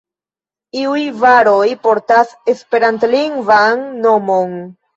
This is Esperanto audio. Iuj varoj portas Esperantlingvan nomon.